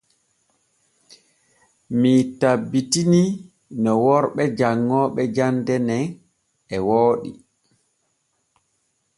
Mii tabbitini no worɓe janŋooɓe jande nen e wooɗi.